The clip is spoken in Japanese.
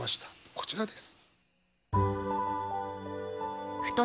こちらです。